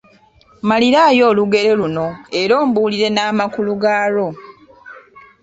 Mmaliraayo olugero luno era ombuulire n’amakulu gaalwo.